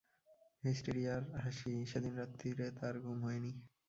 হিস্টিরিয়ার হাসি, সেদিন রাত্তিরে তার ঘুম হয় নি।